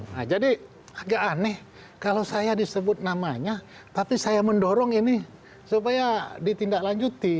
nah jadi agak aneh kalau saya disebut namanya tapi saya mendorong ini supaya ditindaklanjuti